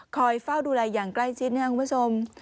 คอยเฝ้าดูแลอย่างใกล้ชิดนะคุณผู้ชม